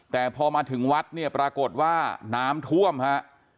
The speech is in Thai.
แต่พอมาถึงวัดเนี่ยปรากฏว่าน้ำท่วมฮะ